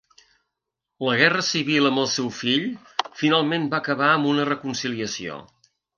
La guerra civil amb el seu fill finalment va acabar amb una reconciliació.